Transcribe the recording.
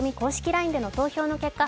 ＬＩＮＥでの投票の結果